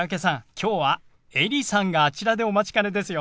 きょうはエリさんがあちらでお待ちかねですよ。